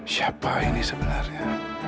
siapa aini sebenarnya